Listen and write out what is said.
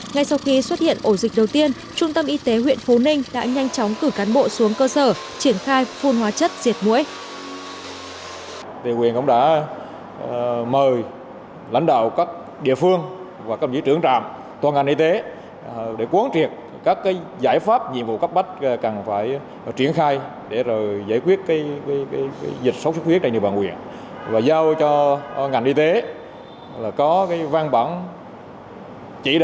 ngay sau khi xuất hiện ổ dịch đầu tiên trung tâm y tế huyện phú ninh đã nhanh chóng cử cán bộ xuống cơ sở triển khai phun hóa chất diệt muối